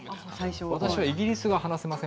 私はイギリスが話せません。